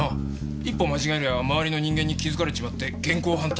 一歩間違えりゃ周りの人間に気づかれちまって現行犯逮捕だ。